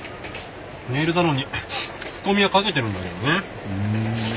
ネイルサロンに聞き込みはかけてるんだけどね。